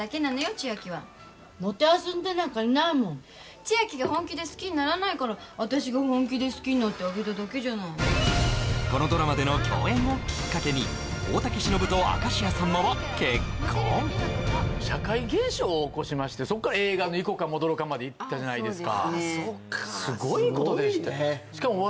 千明はもてあそんでなんかいないもん千明が本気で好きにならないから私が本気で好きになってあげただけじゃないこのドラマでの共演をきっかけに大竹しのぶと明石家さんまは結婚を起こしましてそっから映画の「いこかもどろか」までいったじゃないですか